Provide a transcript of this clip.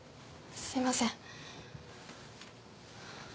すいません。